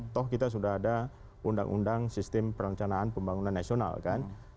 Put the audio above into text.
toh kita sudah ada undang undang sistem perencanaan pembangunan nasional kan